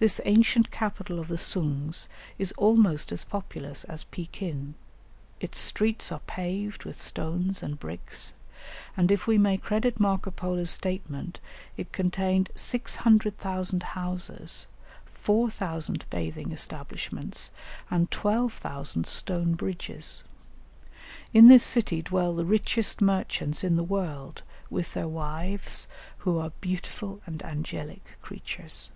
This ancient capital of the Soongs is almost as populous as Pekin; its streets are paved with stones and bricks, and if we may credit Marco Polo's statement, it contained "600,000 houses, 4000 bathing establishments, and 12,000 stone bridges." In this city dwell the richest merchants in the world with their wives, who are "beautiful and angelic creatures."